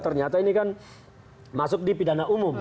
ternyata ini kan masuk di pidana umum